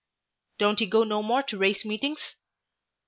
"Don't he go no more to race meetings?"